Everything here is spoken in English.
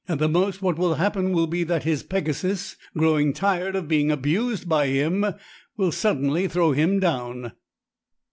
At the most what will happen will be that his pegasus, growing tired of being abused by him, will suddenly throw him down."